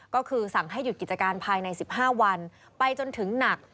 ก็คือสั่งให้หยุดกิจการภายใน๑๕วันไปจนถึงหนัก